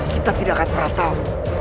kita tidak akan pernah tahu